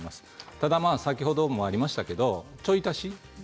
ただ先ほどもありましたけれどちょい足し